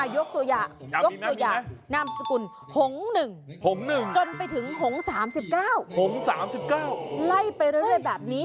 ยกตัวอย่างยกตัวอย่างนามสกุลหง๑หง๑จนไปถึงหง๓๙หง๓๙ไล่ไปเรื่อยแบบนี้